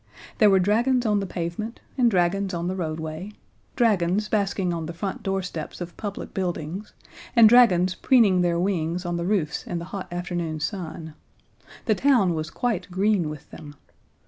There were dragons on the pavement, and dragons on the roadway, dragons basking on the front doorsteps of public buildings, and dragons preening their wings on the roofs in the hot afternoon sun. The town was quite green with them.